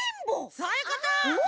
そういうこと！